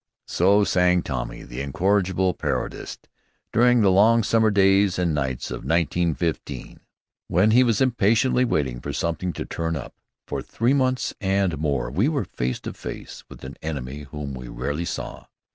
So sang Tommy, the incorrigible parodist, during the long summer days and nights of 1915, when he was impatiently waiting for something to turn up. For three months and more we were face to face with an enemy whom we rarely saw.